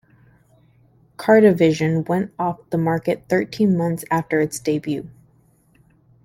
Cartrivision went off the market thirteen months after its debut.